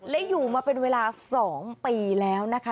และอยู่มาเป็นเวลา๒ปีแล้วนะคะ